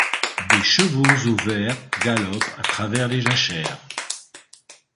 Des chevaux au vert galopent à travers les jachères.